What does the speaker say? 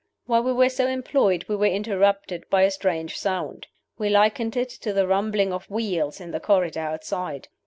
"While we were so employed, we were interrupted by a strange sound. We likened it to the rumbling of wheels in the corridor outside.